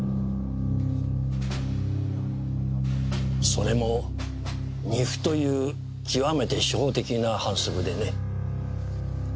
それも二歩という極めて初歩的な反則でね。